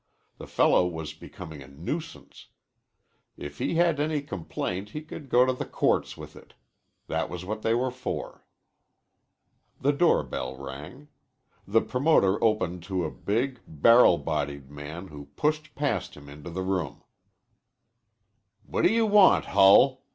The fellow was becoming a nuisance. If he had any complaint he could go to the courts with it. That was what they were for. The doorbell rang. The promoter opened to a big, barrel bodied man who pushed past him into the room. "What you want, Hull?"